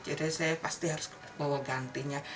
jadi saya pasti harus bawa gantinya